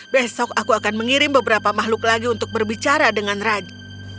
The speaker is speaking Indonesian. besok aku akan mengirim beberapa makhluk lagi untuk berbicara dengan raja